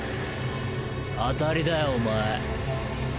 当たりだよおまえ。